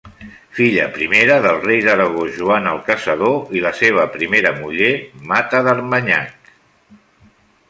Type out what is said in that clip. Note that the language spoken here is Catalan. Filla primera del rei d'Aragó Joan el Caçador i la seva primera muller, Mata d'Armanyac.